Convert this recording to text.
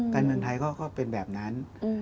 การเมืองไทยเขาก็เป็นแบบนั้น